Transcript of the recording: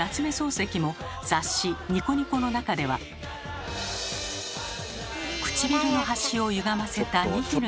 漱石も雑誌「ニコニコ」の中では唇の端をゆがませたニヒルな笑顔。